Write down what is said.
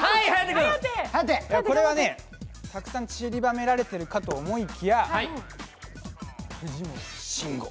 これは、たくさんちりばめられてるかと思いきや、藤森慎吾。